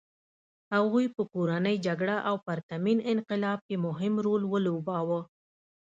هغوی په کورنۍ جګړه او پرتمین انقلاب کې مهم رول ولوباوه.